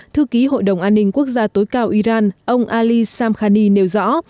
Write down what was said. thư ký hội đồng an ninh quốc gia tối cao iran ông ali samkhani nêu rõ